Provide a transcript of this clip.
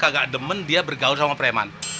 agak demen dia bergaul sama preman